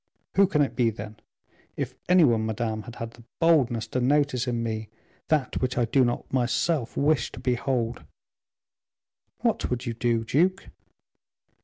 "Who can it be, then? If any one, madame, had had the boldness to notice in me that which I do not myself wish to behold " "What would you do, duke?"